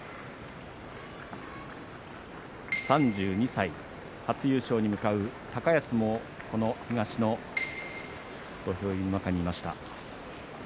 ３２歳、初優勝に向かう高安も東の土俵入りの中にいました。